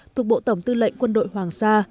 thuộc bộ tổng tư lệnh quân đội hoàng gia